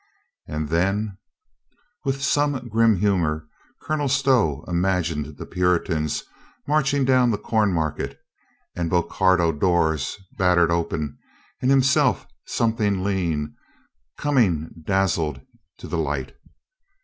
And then ? With some grim humor Colonel Stow imagined the Puritans marching down the Corn market and Bocardo door battered open and him self, something lean, coming dazzled to the light.